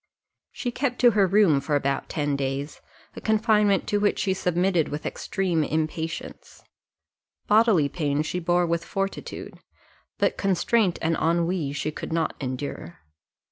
She kept her room for about ten days; a confinement to which she submitted with extreme impatience: bodily pain she bore with fortitude, but constraint and ennui she could not endure.